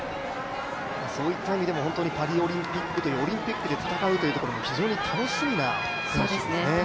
そういった意味でもパリオリンピック、オリンピックで戦うというところも、楽しみですね。